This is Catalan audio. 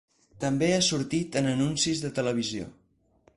També ha sortit en anuncis de televisió.